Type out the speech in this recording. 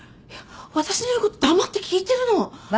私の言うこと黙って聞いてるの！